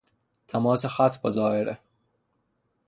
تماس خط با دائره